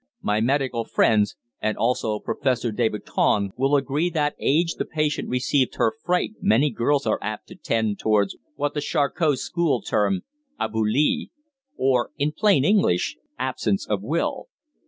My medical friends, and also Professor Deboutin, will agree that at the age the patient received her fright many girls are apt to tend towards what the Charcot School term 'aboulie,' or, in plain English, absence of will.